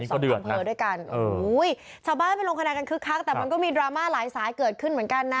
อำเภอด้วยกันชาวบ้านไปลงคะแนนกันคึกคักแต่มันก็มีดราม่าหลายสายเกิดขึ้นเหมือนกันนะ